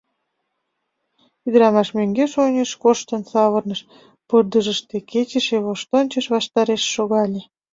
Ӱдрамаш мӧҥгеш-оньыш коштын савырныш, пырдыжыште кечыше воштончыш ваштареш шогале.